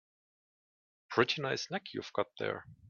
Pretty nice neck you've got there.